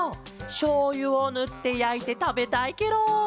しょうゆをぬってやいてたべたいケロ！